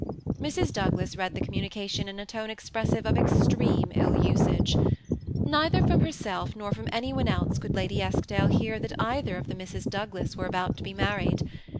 Mrs. Douglas read the communication in a tone expressive of extreme ill usage. Neither from herself nor from anj one else could Lady Eskdale hear that either of the Misses Douglas were about to be married.